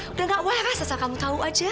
udah gak wah rasa asal kamu tahu aja